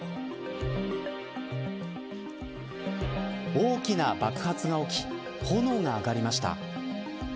大きな爆発が起き炎が上がりました。